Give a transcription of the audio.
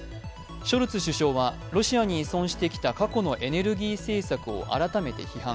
ショルツ首相はロシアに依存してきた過去のエネルギー政策を改めて批判。